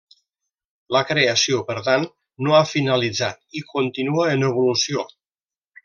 La creació, per tant, no ha finalitzat i continua en evolució.